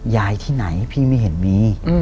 ที่ไหนพี่ไม่เห็นมี